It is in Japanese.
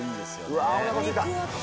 うわお腹すいた。